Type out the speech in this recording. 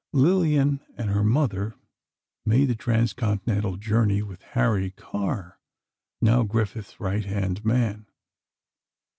Lillian and her mother made the transcontinental journey with Harry Carr, now Griffith's right hand man.